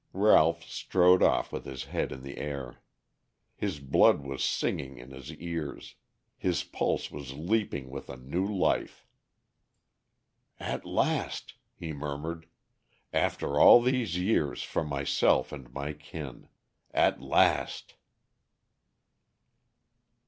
Ralph strode off with his head in the air. His blood was singing in his ears; his pulse was leaping with a new life. "At last," he murmured; "after all these years for myself and my kin! At last!"